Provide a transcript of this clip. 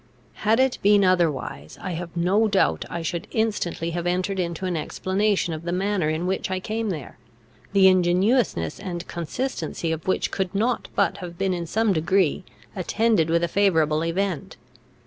Had it been otherwise, I have no doubt that I should instantly have entered into an explanation of the manner in which I came there, the ingenuousness and consistency of which could not but have been in some degree attended with a favourable event.